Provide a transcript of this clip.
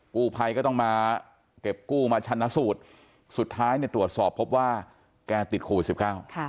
กู้ภัยก็ต้องมาเก็บกู้มาชนะสูตรสุดท้ายเนี่ยตรวจสอบพบว่าแกติดโควิดสิบเก้า